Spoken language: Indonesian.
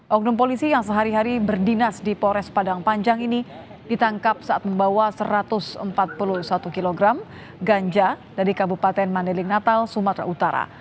oknum polisi yang sehari hari berdinas di pores padang panjang ini ditangkap saat membawa satu ratus empat puluh satu kg ganja dari kabupaten mandaling natal sumatera utara